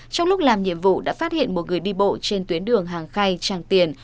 trong lúc làm nhiệm vụ đã phát hiện một người đi bộ trên tuyến đường hàng khay tràng tiền